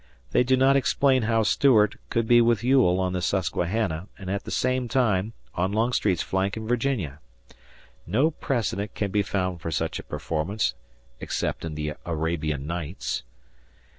They do not explain how Stuart could be with Ewell on the Susquehanna and, at the same time, on Longstreet's flank in Virginia. No precedent can be found for such a performance, except in the Arabian Nights.